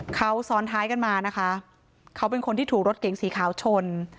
เขาซ้อนท้ายกันมานะคะเขาเป็นคนที่ถูกรถเก๋งสีขาวชน